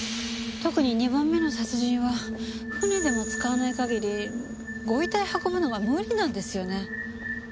特に２番目の殺人は船でも使わない限りご遺体運ぶのが無理なんですよね。